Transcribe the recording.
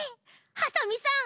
ハサミさん